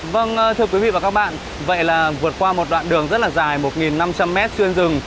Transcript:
vâng thưa quý vị và các bạn vậy là vượt qua một đoạn đường rất là dài một năm trăm linh m xuyên rừng